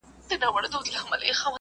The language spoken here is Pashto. خپل بدن وپېژنئ.